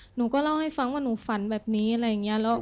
หนูก็เล่าให้ฟังว่าหนูฝันแบบนี้อะไรอย่างนี้